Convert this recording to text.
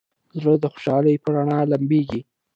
زړه د خوشحالۍ په رڼا لمبېږي.